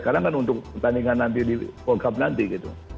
karena kan untuk pertandingan nanti di world cup nanti gitu